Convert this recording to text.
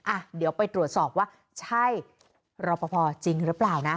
อ่ะเดี๋ยวไปตรวจสอบว่าใช่รอปภจริงหรือเปล่านะ